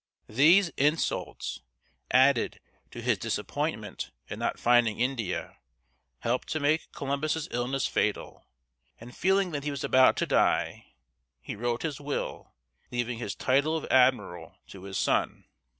These insults, added to his disappointment at not finding India, helped to make Columbus's illness fatal; and feeling that he was about to die, he wrote his will, leaving his title of admiral to his son.